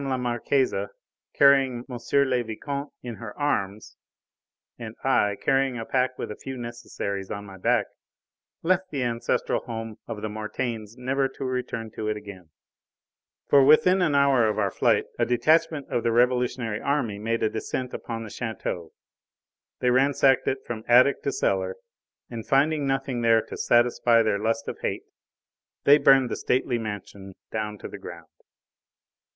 la Marquise, carrying M. le Vicomte in her arms and I carrying a pack with a few necessaries on my back, left the ancestral home of the Mortaines never to return to it again: for within an hour of our flight a detachment of the revolutionary army made a descent upon the chateau; they ransacked it from attic to cellar, and finding nothing there to satisfy their lust of hate, they burned the stately mansion down to the ground.